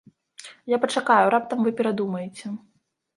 Я пачакаю, раптам вы перадумаеце.